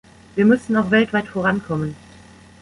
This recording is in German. Wir müssen auch weltweit vorankommen.